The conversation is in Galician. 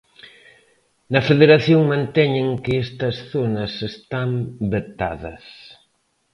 Na Federación manteñen que estas zonas están vetadas.